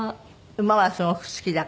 馬はすごく好きだから。